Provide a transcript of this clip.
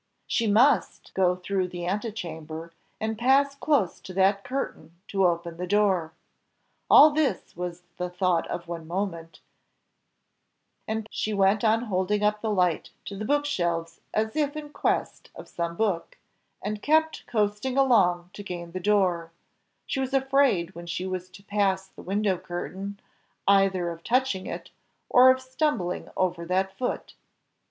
She MUST go through the antechamber, and pass close to that curtain to open the door. All this was the thought of one moment, and she went on holding up the light to the book shelves as if in quest of some book, and kept coasting along to gain the door; she was afraid when she was to pass the window curtain, either of touching it, or of stumbling over that foot.